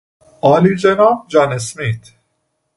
عالیجناب جان اسمیت